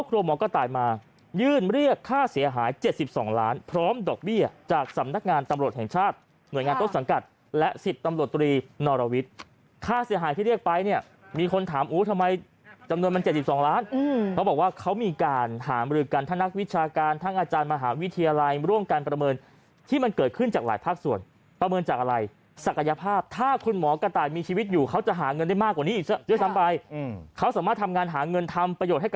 เรียกค่าเสียหาย๗๒ล้านพร้อมดอกเบี้ยจากสำนักงานตำรวจแห่งชาติเหนืองานต้นสังกัดและ๑๐ตำรวจตีนารวิทย์ค่าเสียหายที่เรียกไปเนี่ยมีคนถามอู๋ทำไมจำนวนมัน๗๒ล้านเขาบอกว่าเขามีการหาบริการท่านักวิชาการท่างอาจารย์มหาวิทยาลัยร่วมการประเมินที่มันเกิดขึ้นจากหลายภาคส่วนประเมินจากอะไร